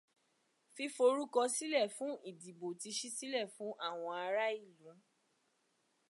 Fíforúkọsílẹ̀ fún ìdìbò ti ṣí sílẹ̀ fún àwọn ará ìlú.